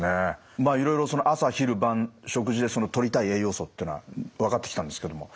まあいろいろ朝昼晩食事でとりたい栄養素っていうのは分かってきたんですけども